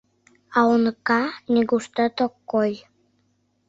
А уныка нигуштат ок кой.